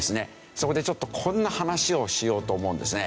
そこでちょっとこんな話をしようと思うんですね。